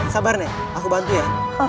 sabar aku bantu ya